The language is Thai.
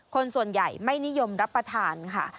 คนส่วนใหญ่ไม่นิยมรับประทานค่ะ